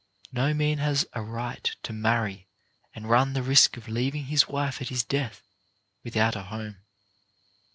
No man has a right to marry and run the risk of leav ing his wife at his death without a home.